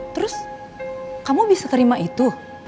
terus kamu bisa terima itu